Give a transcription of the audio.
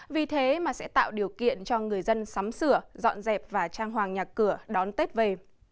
vì thế mà sẽ tạo điều kiện cho người dân sắm sửa dọn dẹp và trang hoàng nhà cửa đón tết về